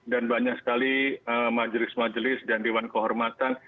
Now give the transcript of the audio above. dan banyak sekali majelis majelis dan dewan kehormatan